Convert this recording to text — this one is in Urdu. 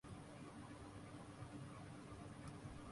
میں ابھی تیار ہو تاہوں